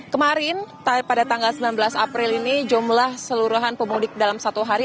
kemarin pada tanggal sembilan belas april ini jumlah seluruhan pemudik dalam satu hari